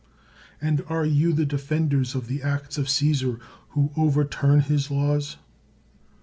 And are you the defenders of the acts of Caesar who over turn his laws?